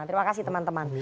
terima kasih teman teman